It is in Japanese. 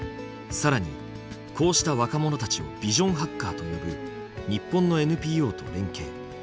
更にこうした若者たちを「ビジョンハッカー」と呼ぶ日本のＮＰＯと連携。